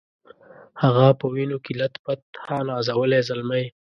هغه په وینو کي لت پت ها نازولی زلمی